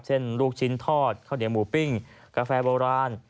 ลูกชิ้นทอดข้าวเหนียวหมูปิ้งกาแฟโบราณ